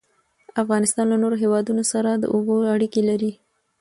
افغانستان له نورو هیوادونو سره د اوبو اړیکې لري.